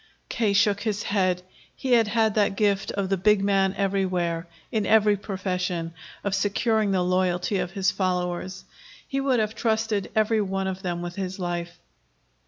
K. shook his head. He had had that gift of the big man everywhere, in every profession, of securing the loyalty of his followers. He would have trusted every one of them with his life.